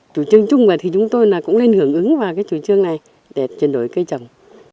chủ trương chung của thì chúng tôi cũng nên hưởng ứng vào cái chủ trương này để chuyển đổi cây trồng